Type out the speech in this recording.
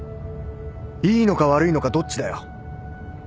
いいのか悪いのかどっちだよ。